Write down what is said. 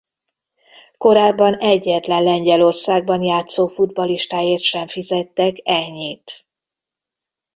Korábban egyetlen Lengyelországban játszó futballistáért sem fizettek ennyit.